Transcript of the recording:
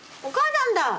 お母さんだ！